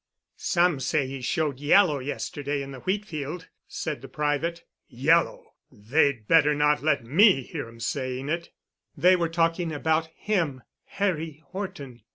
"Some say he showed yellow yesterday in the wheat field," said the private. "Yellow! They'd better not let me hear 'em sayin' it——" They were talking about him—Harry Horton.